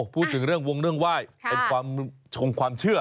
พูดถึงเรื่องวงเรื่องไหว้เป็นความชงความเชื่อ